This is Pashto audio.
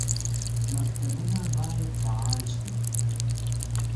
مکتبونه باید فعال شي